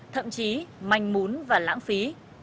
thậm chí mạnh mốn và lãng phí